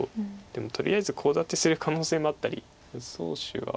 でもとりあえずコウ立てする可能性もあったり予想手が。